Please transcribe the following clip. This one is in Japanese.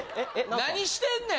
何してんねん？